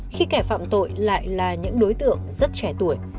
khi kẻ phạm tội lại là những đối tượng rất trẻ tuổi